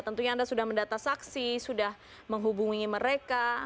tentunya anda sudah mendata saksi sudah menghubungi mereka